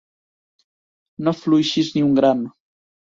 No afluixis ni un gram!